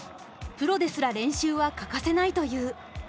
プロですら練習は欠かせないという。